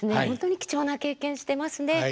本当に貴重な経験してますね。